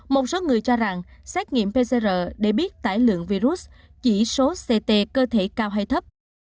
một số người cho rằng xét nghiệm pcr để biết tải lượng virus chỉ số ct cơ thể cao hay thấp